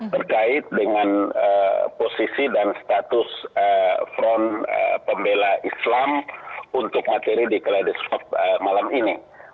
berkait dengan posisi dan status front pembela islam untuk materi di kledisop malam ini